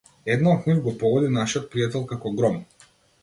Една од нив го погоди нашиот пријател како гром.